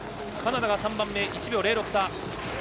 カナダが３番目、１秒０６差。